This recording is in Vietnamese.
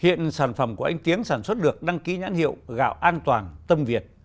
hiện sản phẩm của anh tiếng sản xuất được đăng ký nhãn hiệu gạo an toàn tâm việt